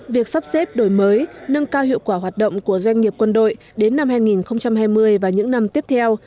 việc sắp xếp đổi mới nâng cao hiệu quả hoạt động của doanh nghiệp quân đội đến năm hai nghìn hai mươi và những năm tiếp theo